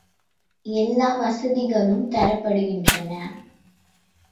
எல்லா வசதிகளும் தரப்படுகின்றன.